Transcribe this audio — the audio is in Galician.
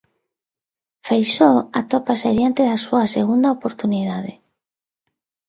Feixóo atópase diante da súa segunda oportunidade.